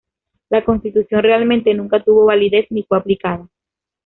La constitución realmente nunca tuvo validez ni fue aplicada.